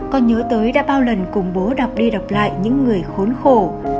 con nhớ tới đã bao lần cùng bố đọc đi đọc lại những người khốn khổ